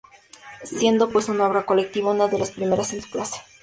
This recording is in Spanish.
Siendo pues una obra colectiva: una de las primeras en su clase.